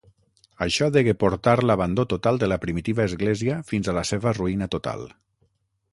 Això degué portar l'abandó total de la primitiva església fins a la seva ruïna total.